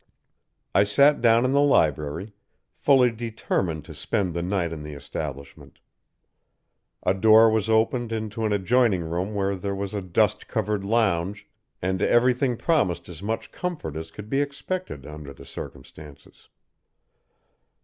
"I sat down in the library, fully determined to spend the night in the establishment. A door was opened into an adjoining room where there was a dust covered lounge, and every thing promised as much comfort as could be expected under the circumstances.